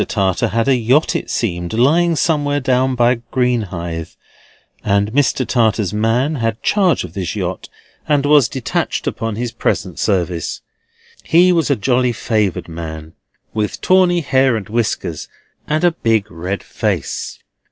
Tartar had a yacht, it seemed, lying somewhere down by Greenhithe; and Mr. Tartar's man had charge of this yacht, and was detached upon his present service. He was a jolly favoured man, with tawny hair and whiskers, and a big red face.